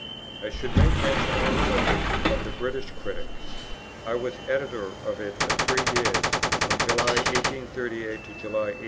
I should make mention also of the British Critic. I was Editor of it for three years, from July 1838 to July 1841.